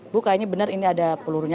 bu kayaknya benar ini ada pelurunya